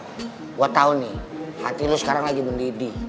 gua tau nih hati lu sekarang lagi mendidih